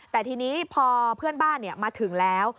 แต่ทีนี้พอเพื่อนบ้านมาถึงแล้ว